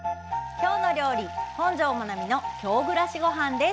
「きょうの料理」「本上まなみの京暮らしごはん」です。